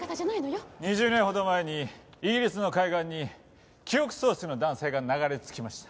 ２０年ほど前にイギリスの海岸に記憶喪失の男性が流れ着きました。